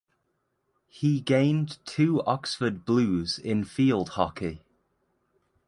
He gained two Oxford blues in field hockey.